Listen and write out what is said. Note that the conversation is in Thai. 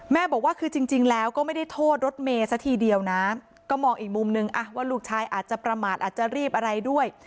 บอกว่าคือจริงแล้วก็ไม่ได้โทษรถเมย์ซะทีเดียวนะก็มองอีกมุมนึงว่าลูกชายอาจจะประมาทอาจจะรีบอะไรด้วย